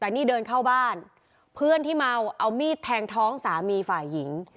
แต่นี่เดินเข้าบ้านเพื่อนที่เมาเอามีดแทงท้องสามีฝ่ายหญิง